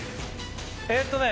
えっとね